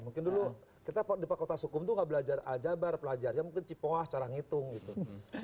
mungkin dulu kita di pak kota sukum tuh gak belajar ajabar pelajar ya mungkin cipoah cara ngitung gitu